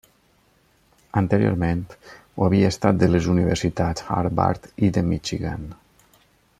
Anteriorment, ho havia estat de les universitats Harvard i de Michigan.